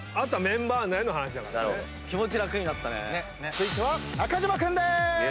続いては中島君でーす。